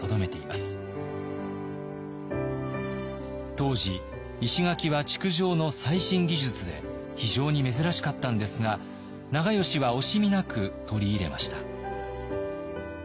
当時石垣は築城の最新技術で非常に珍しかったんですが長慶は惜しみなく取り入れました。